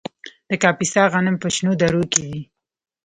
د کاپیسا غنم په شنو درو کې دي.